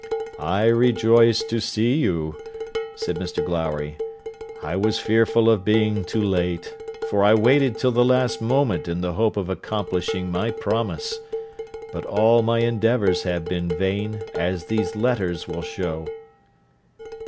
'I rejoice to see you,' said Mr Glowry; 'I was fearful of being too late, for I waited till the last moment in the hope of accomplishing my promise; but all my endeavours have been vain, as these letters will show.'